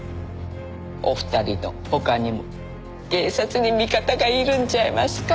お二人の他にも警察に味方がいるんちゃいますか？